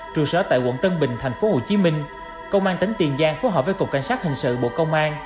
trụ sở tại quận tân bình tp hcm công an tỉnh tiền giang phối hợp với cục cảnh sát hình sự bộ công an